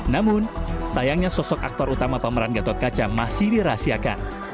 namun sayangnya sosok aktor utama pemeran gatot kaca masih dirahasiakan